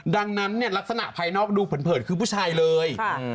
ดังนั้นเนี่ยลักษณะภายนอกดูเผินคือผู้ชายเลย